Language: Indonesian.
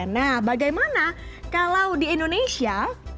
nah bagaimana kalau di indonesia